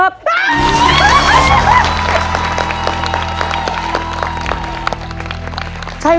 เร็วเร็ว